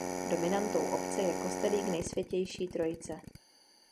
Dominantou obce je kostelík Nejsvětější Trojice.